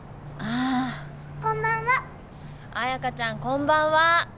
彩香ちゃんこんばんは。